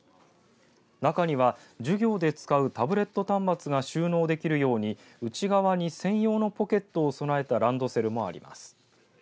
中には、授業で使うタブレット端末が収納できるように内側に専用のポケットを備えたランドセルもあります。